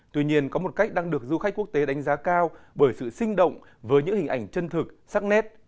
tuy nhiên có một cách đang được du khách quốc tế đánh giá cao bởi sự sinh động với những hình ảnh chân thực sắc nét